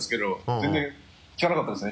全然効かなかったですね